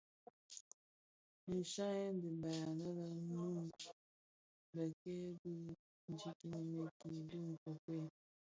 Nshyayèn dhibaï ane lè Noun dhi bikei bi ndikinimiki bi nkokuel.